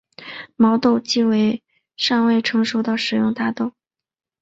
毛豆即为尚未成熟的食用大豆。